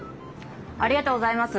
ありがとうございます。